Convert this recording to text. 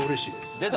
「出た！